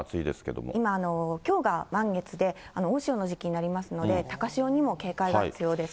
今、きょうが満月で、大潮の時期になりますので、高潮にも警戒が必要です。